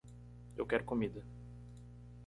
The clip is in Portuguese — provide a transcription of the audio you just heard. Eu quero comida.